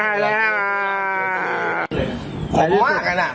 มือแบรนด์ให้เฉยไม่ได้อย่างน้อยแล้ว